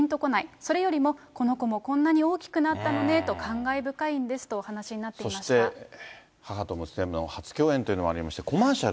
それよりも、この子もこんなに大きくなったのねーと、感慨深いんですとお話しそして、母と娘の初共演というのがありまして、コマーシャル？